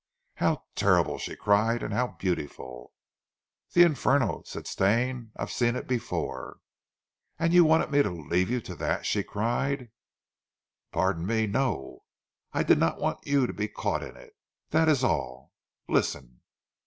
"How terrible," she cried, "and how beautiful." "The Inferno!" said Stane. "I've seen it before." "And you wanted me to leave you to that?" she cried. "Pardon me, no! I did not want you to be caught in it, that is all! Listen!"